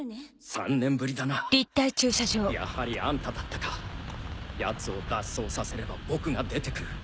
３年ぶりだなやはりあんただったかヤツを脱走させれば僕が出てくる。